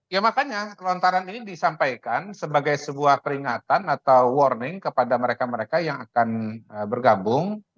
ya makanya kelontaran ini disampaikan sebagai sebuah peringatan atau warning kepada mereka mereka yang akan bergabung